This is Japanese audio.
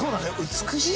美しい！